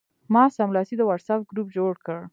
ما سملاسي د وټساپ ګروپ جوړ کړ.